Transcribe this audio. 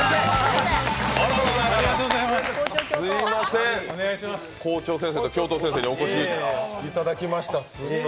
すいません、校長先生と教頭先生にお越しいただきました。